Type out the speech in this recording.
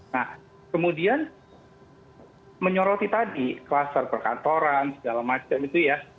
nah kemudian menyoroti tadi kluster perkantoran segala macam itu ya